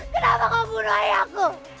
kenapa kau bunuh ayahku